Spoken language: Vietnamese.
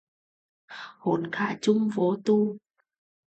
Hốt cả chùm vô tù